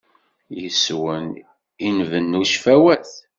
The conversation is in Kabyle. Yes-wen i nbennu cfawat.